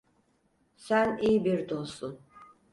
Sen iyi bir dostsun.